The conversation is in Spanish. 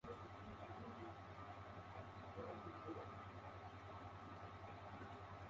El Capucha la libera y mata a todos los Skrulls excepto uno.